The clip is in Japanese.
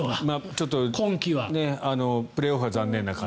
ちょっとプレーオフは残念な感じ。